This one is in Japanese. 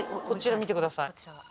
こちら見てください。